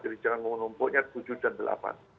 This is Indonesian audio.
jadi jalan ngomong ngomong pokoknya tujuh dan delapan